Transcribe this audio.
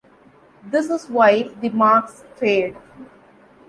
This is why the marks fade.